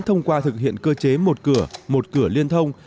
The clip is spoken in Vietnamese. thông qua thực hiện cơ chế một cửa một cửa liên thông